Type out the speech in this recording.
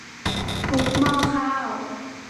ทุบหม้อข้าว